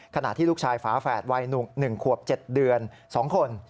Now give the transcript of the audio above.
ขณะที่ลูกชายฝาแฝดวัย๑ขวบ๗เดือน๒คน